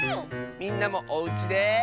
みんなもおうちで。